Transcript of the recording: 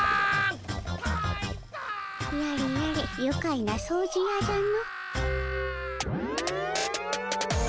やれやれゆかいな掃除やじゃの。